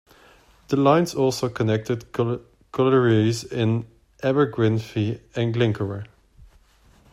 The lines also connected collieries in Abergwynfi and Glyncorrwg.